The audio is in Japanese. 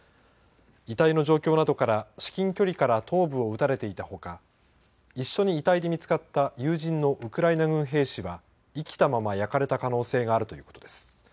遺体の状況などから至近距離から頭部を撃たれていたほか一緒に遺体で見つかった友人のウクライナ軍兵士は生きたまま焼かれた可能性があるということです。